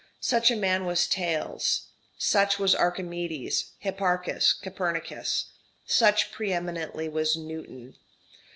Such a man was Thales. Such was Archimedes, Hipparchus, Copernicus. Such pre eminently was Newton.